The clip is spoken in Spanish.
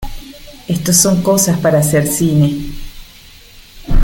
esto son cosas para hacer cine.